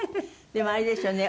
でもあれですよね